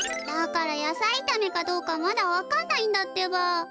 だから野菜いためかどうかまだ分かんないんだってば。